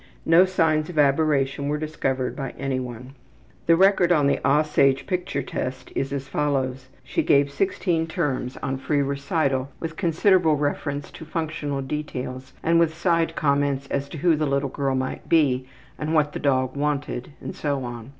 No signs of aberration were discovered by any one. The record on the ``Aussage'' picture test is as follows: She gave 16 items on free recital with considerable reference to functional details and with side comments as to who the little girl might be, and what the dog wanted, and so on.